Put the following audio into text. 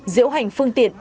diễu hành phương tiện